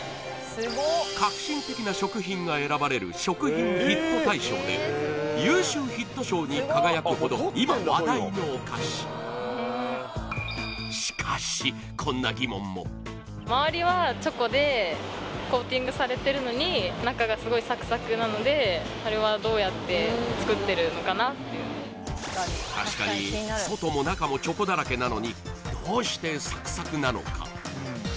革新的な食品が選ばれる食品ヒット大賞で優秀ヒット賞に輝くほど今話題のお菓子しかしこんな疑問も確かに外も中もチョコだらけなのにどうしてサクサクなのか？